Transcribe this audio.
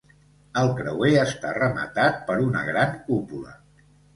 El creuer està rematat per una gran cúpula.